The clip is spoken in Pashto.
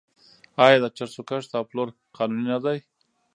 آیا د چرسو کښت او پلور قانوني نه دی؟